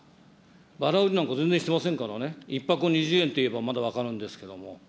ばら売りなんか全然してませんからね、１箱２０円て言えばまだ分かるんですけども。